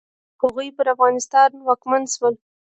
هغوی پر افغانستان واکمن شول.